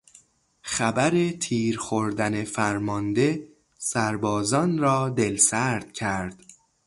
خبر تیر خوردن فرمانده سربازان را دلسرد کرد.